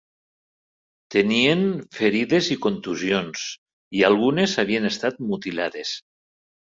Tenien ferides i contusions, i algunes havien estat mutilades.